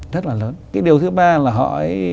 rất là lớn cái điều thứ ba là họ ấy